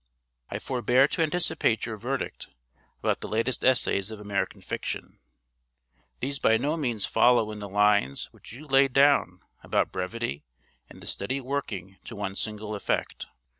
I forbear to anticipate your verdict about the latest essays of American fiction. These by no means follow in the lines which you laid down about brevity and the steady working to one single effect.